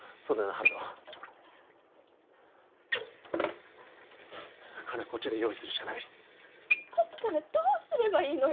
温人金はこっちで用意するしかないだったらどうすればいいのよ